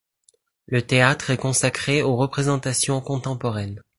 Le théâtre est consacré aux représentations contemporaines.